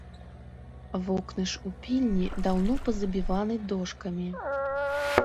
Вокны ж у пільні даўно пазабіваны дошкамі!